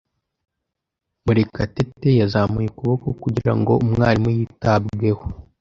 Murekatete yazamuye ukuboko kugira ngo umwarimu yitabweho.